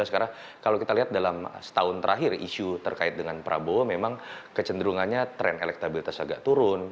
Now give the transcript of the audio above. karena kalau kita lihat dalam setahun terakhir isu terkait dengan prabowo memang kecenderungannya tren elektabilitas agak turun